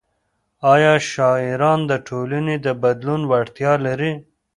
ايا شاعران د ټولنې د بدلون وړتیا لري؟